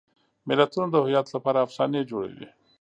ملتونه د هویت لپاره افسانې جوړوي.